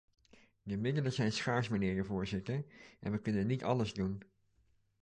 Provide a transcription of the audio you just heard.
De middelen zijn schaars, mijnheer de voorzitter, en we kunnen niet alles doen.